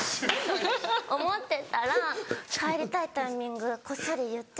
思ってたら「帰りたいタイミングこっそり言って！